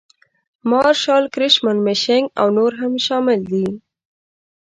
مارشال کرشمن مشینک او نور هم شامل دي.